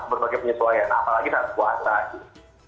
berbagai penyesuaian apalagi saat puasa gitu